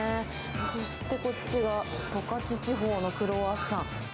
そして、こっちは十勝地方のクロワッサン。